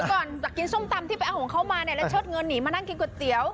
ก่อนจะกินส้มตำที่ไปเอาของเขามาเนี่ยแล้วเชิดเงินหนีมานั่งกินก๋วยเตี๋ยว